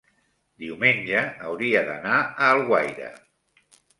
diumenge hauria d'anar a Alguaire.